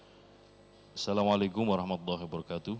assalamualaikum wr wb